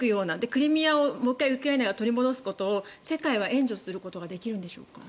クリミアをもう１回ウクライナが取り戻すことを世界は援助することができるんでしょうか。